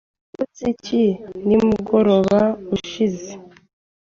Wakoze iki nimugoroba ushize?